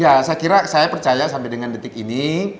ya saya kira saya percaya sampai dengan detik ini